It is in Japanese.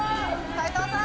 斎藤さん！